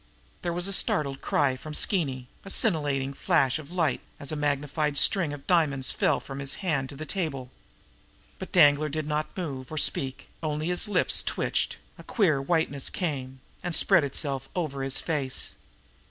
There was a startled cry from Skeeny, a scintillating flash of light as a magnificent string of diamonds fell from his hand to the table. But Danglar did not move or speak; only his lips twitched, and a queer whiteness came and spread itself over his face.